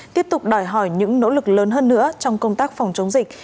tiếp tục đòi hỏi những nỗ lực lớn hơn nữa trong công tác phòng chống dịch